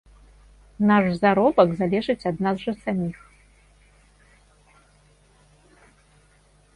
Наш заробак залежыць ад нас жа саміх.